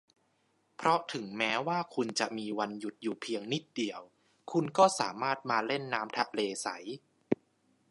เพราะถึงแม้ว่าคุณจะมีวันหยุดอยู่เพียงนิดเดียว คุณก็สามารถมาเล่นน้ำทะเลใส